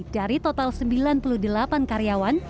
dari total sembilan puluh delapan karyawan